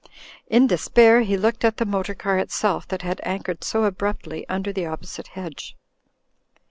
In despair he looked at the motor car itself that had anchored so abruptly under the opposite hedge.